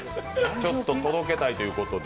ちょっと届けたいということで。